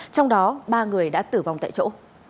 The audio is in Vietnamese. trong đó ba người đã tử vong tại chỗ